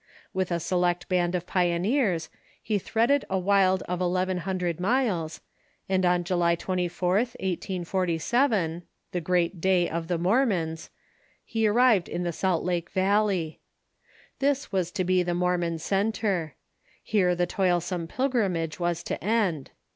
With a select band of pioneers he threaded a wild of eleven hundred miles, and on July 24th, 1847 (the Great Day of the Mormons) he arrived in the Salt Lake Valley. This Avas to be the Mormon centre. Here the toilsome pilgrimage was to end.